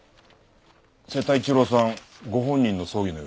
瀬田一郎さんご本人の葬儀のようです。